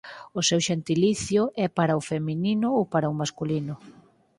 O seu xentilicio é para o feminino ou para o masculino.